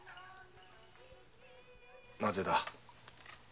なぜだ？